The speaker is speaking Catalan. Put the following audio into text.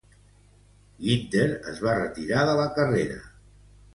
Ginther es va retirar de la carrera.